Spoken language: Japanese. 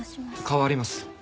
代わります。